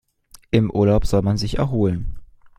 Im Urlaub soll man sich erholen.